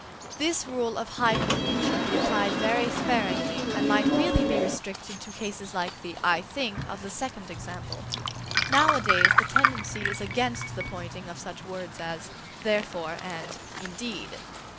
This rule of high pointing should be applied very sparingly, and might really be restricted to cases like the "I think" of the second example. Nowadays the tendency is against the pointing of such words as "therefore" and "indeed."